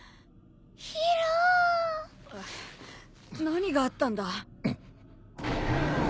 何があったんだ？